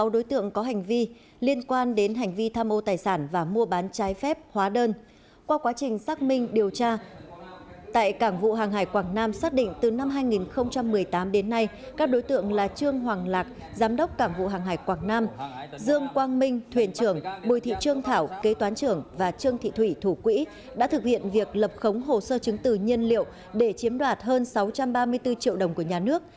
dương quang minh thuyền trưởng bùi thị trương thảo kế toán trưởng và trương thị thủy thủ quỹ đã thực hiện việc lập khống hồ sơ chứng từ nhân liệu để chiếm đoạt hơn sáu trăm ba mươi bốn triệu đồng của nhà nước